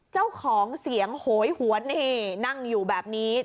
เจ้าของเสียงโหยหวนนี่นั่งอยู่แบบนี้